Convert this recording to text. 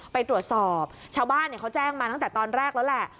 ไปตรวจสอบชาวบ้านเขาแจ้งมาตั้งแต่ตอนแรกแล้วแหละ